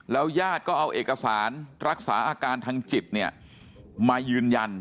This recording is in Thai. แล้วยาดก็เอาเอกสารรักษาอาการทางจิตมายืนยัน